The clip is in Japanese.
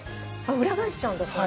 裏返しちゃうんですね。